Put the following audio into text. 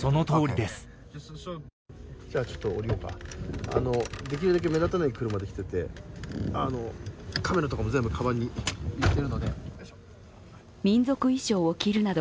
できるだけ目立たない車で来ていてカメラとかも全部かばんに入れているので。